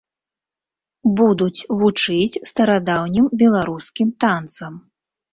Будуць вучыць старадаўнім беларускім танцам.